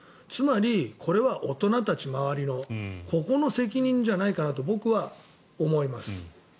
つまりこれは周りの大人たちここの責任じゃないかなと僕は思います。